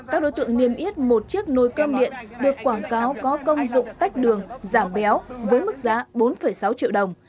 các đối tượng niêm yết một chiếc nồi cơm điện được quảng cáo có công dụng tách đường giảm béo với mức giá bốn sáu triệu đồng